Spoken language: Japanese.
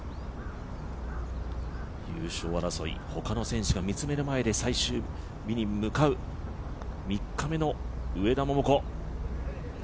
優勝争い、他の選手が見つめる前で最終日に向かう３日目の上田桃子。